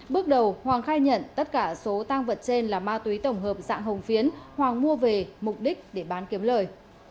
bước đầu hoàng khai nhận tất cả số tang vật trên là ma túy tổng hợp dạng hồng phiến hoàng mua về mục đích để bán kiếm lời